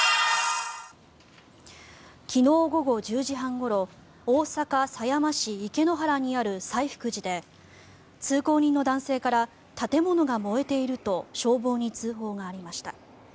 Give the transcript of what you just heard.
昨日午後１０時半ごろ大阪狭山市池之原にある西福寺で通行人の男性から建物が燃えていると消防に通報がありました。